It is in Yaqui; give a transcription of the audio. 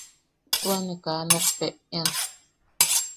Tua ne kaa nokpeʼean.